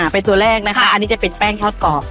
เป็นตัวแรกนะคะอันนี้จะเป็นแป้งทอดกรอบ